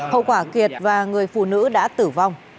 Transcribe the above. hậu quả kiệt và người phụ nữ đã tử vong